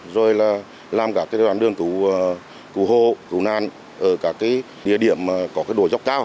rồi làm đoạn đường cứu hồ cứu nàn ở các địa điểm có đồi dốc cao